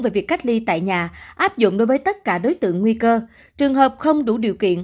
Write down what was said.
về việc cách ly tại nhà áp dụng đối với tất cả đối tượng nguy cơ trường hợp không đủ điều kiện